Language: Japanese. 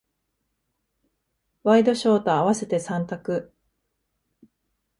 ワイドショーと合わせて三択。